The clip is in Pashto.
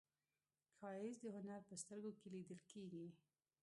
ښایست د هنر په سترګو کې لیدل کېږي